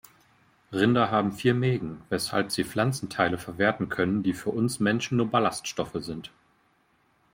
Rinder haben vier Mägen, weshalb sie Pflanzenteile verwerten können, die für uns Menschen nur Ballaststoffe sind.